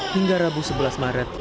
hingga rabu sebelas maret